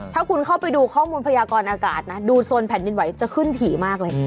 ถ้าคุณเข้าไปดูข้อมูลพยากรอากาศนะดูโซนแผ่นดินไหวจะขึ้นถี่มากเลย